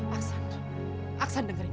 aksan aksan dengerin